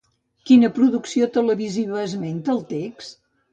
Quina producció televisiva esmenta el text?